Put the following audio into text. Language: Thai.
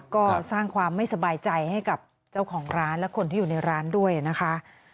ก็สร้างความไม่สบายใจให้กับเจ้าของร้านและคนที่อยู่ในร้านด้วยนะคะ